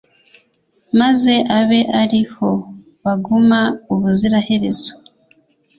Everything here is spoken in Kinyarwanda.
maze abe ari ho baguma ubuziraherezo